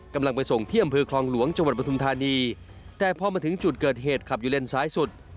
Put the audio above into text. กำลังไปส่งที่อำเภอคลองหลวงจังหวัดปทุมธานีแต่พอมาถึงจุดเกิดเหตุขับอยู่เลนซ้ายสุด